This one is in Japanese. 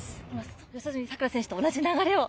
四十住さくら選手と同じ流れを？